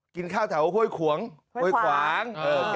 กินข้าวแถวโฮยขวาง